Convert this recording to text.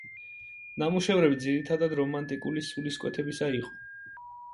ნამუშევრები ძირითადად რომანტიკული სულისკვეთებისა იყო.